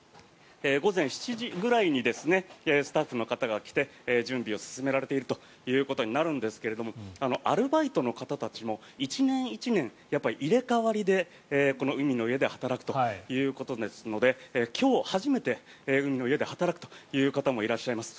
午前７時ぐらいにスタッフの方が来て準備を進められているということになるんですがアルバイトの方たちも１年１年入れ替わりでこの海の家で働くということですので今日初めて海の家で働くという方もいらっしゃいます。